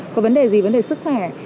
có vấn đề gì vấn đề sức khỏe